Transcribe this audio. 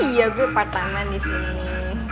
iya gue patahanan di sini